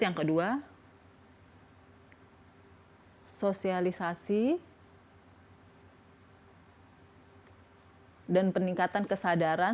yang kedua sosialisasi dan peningkatan kesadaran